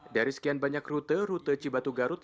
dari sekian banyak rute rute cibatu garut